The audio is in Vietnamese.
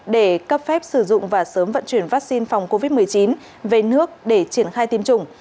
để cấp phép sử dụng và sớm vận chuyển vaccine phòng covid một mươi chín về nước để triển khai tiêm chủng